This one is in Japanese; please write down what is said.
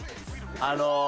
あの。